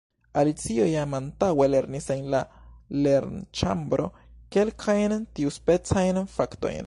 Alicio jam antaŭe lernis en la lernĉambro kelkajn tiuspecajn faktojn.